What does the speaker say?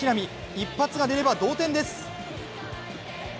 一発が出れば同点です。